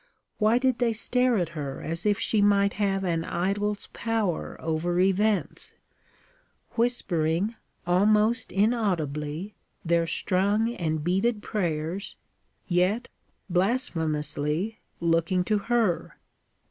Why did they stare at her as if she might have an idol's power over events? Whispering, almost inaudibly, their strung and beaded prayers, yet blasphemously looking to her!